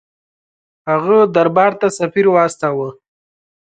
هغه دربار ته سفیر واستاوه.